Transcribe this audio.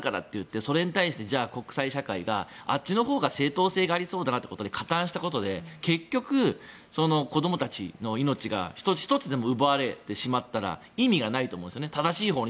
国際社会があっちのほうが正当性がありそうだなということで加担したことで結局子どもたちの命が１つでも奪われてしまったら意味がないと思うんです。